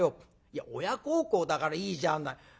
いや親孝行だからいいじゃない。